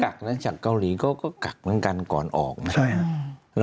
แต่เขาก็กักนะจากเกาหลีก็กักกันกันก่อนออกนะครับ